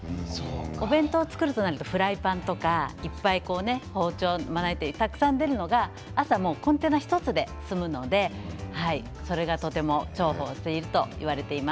お弁当を作るとなるとフライパンとかいっぱい包丁、まな板たくさん出るのが朝、コンテナ１つで済むのでそれが重宝しているといわれています。